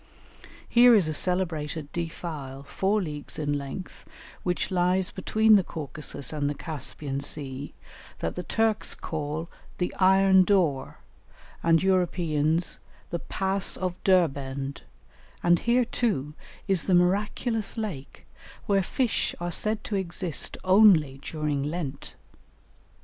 Here is a celebrated defile, four leagues in length, which lies between the Caucasus and the Caspian Sea, that the Turks call the Iron Door, and Europeans the Pass of Derbend, and here too is the miraculous lake, where fish are said to exist only during Lent.